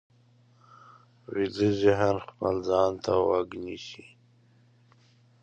ویده ذهن خپل ځان ته غوږ نیسي